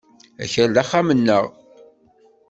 Akal d axxam-nneɣ.